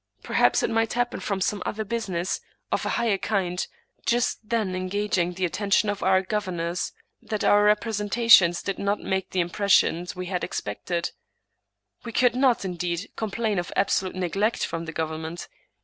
Perhaps it might happen from some other business, of a higher kind, just then engaging 134 Thomas De Quincey the attention of our governors, that our representations did not make the impression we had expected. We could not^ indeed, complain of absolute neglect from the government.